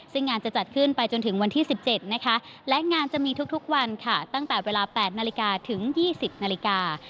ซึ่งงานจะจัดขึ้นไปจนถึงวันที่๑๗นะคะและงานจะมีทุกวันค่ะตั้งแต่เวลา๘นาฬิกาถึง๒๐นาฬิกา